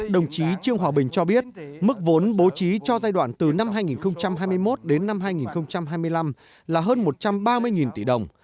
đồng chí trương hòa bình cho biết mức vốn bố trí cho giai đoạn từ năm hai nghìn hai mươi một đến năm hai nghìn hai mươi năm là hơn một trăm ba mươi tỷ đồng